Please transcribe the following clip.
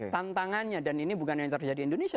tantangannya dan ini bukan yang terjadi di indonesia